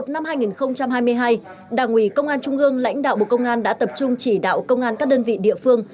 năm hai nghìn hai mươi hai đảng ủy công an trung ương lãnh đạo bộ công an đã tập trung chỉ đạo công an các đơn vị địa phương